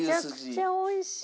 めちゃくちゃおいしい。